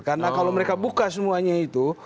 karena kalau mereka buka semuanya itu